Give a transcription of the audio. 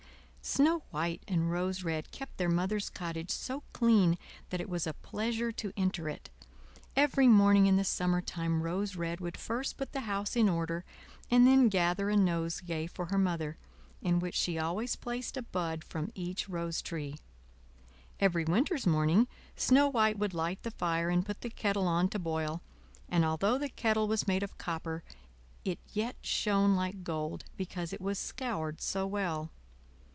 Snow White and Rose Red kept their Mother's cottage so clean that it was a pleasure to enter it. Every morning in the summer time Rose Red would first put the house in order, and then gather a nosegay for her Mother, in which she always placed a bud from each rose tree. Every winter's morning Snow White would light the fire and put the kettle on to boil, and although the kettle was made of copper it yet shone like gold, because it was scoured so well.